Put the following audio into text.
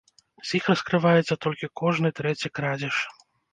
З іх раскрываецца толькі кожны трэці крадзеж.